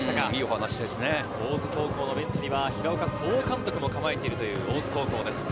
大津高校のベンチには平岡総監督も構えているという大津高校です。